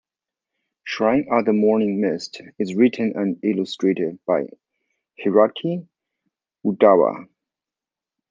"Shrine of the Morning Mist" is written and illustrated by Hiroki Ugawa.